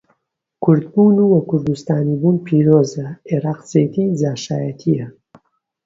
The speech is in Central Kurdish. کوردبوون و کوردستانی بوون پیرۆزە، عێڕاقچێتی جاشایەتییە.